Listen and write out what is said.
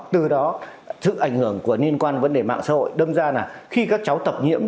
từ đó sự ảnh hưởng của liên quan vấn đề mạng xã hội đâm ra là khi các cháu tập nhiễm